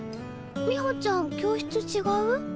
美穂ちゃん教室違う？